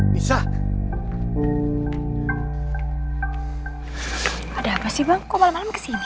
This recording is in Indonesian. bisa ada apa sih bang kok malam malam kesini